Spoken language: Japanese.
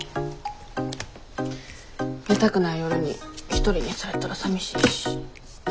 寝たくない夜に一人にされたらさみしいし。